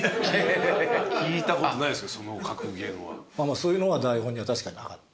そういうのは台本には確かになかった。